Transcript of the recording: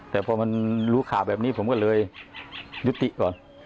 แต่พอมันรู้ข่าวแบบนี้ผมก็เลยยุติก่อน